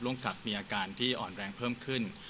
กับมีอาการที่อ่อนแรงเพิ่มขึ้น